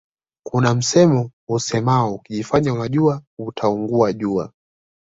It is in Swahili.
Kuna msemo usemao ukijifanya unajua utaungua jua